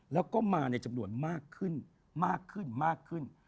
แล้วก็มาในจำนวนมากขึ้นมากขึ้นมากขึ้น